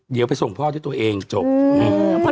เดี๋ยวไปส่งพ่อเลยที่ตัวเองจะจบ